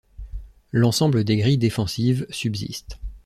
L'ensemble des grilles défensives subsiste.